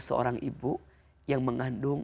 seorang ibu yang mengandung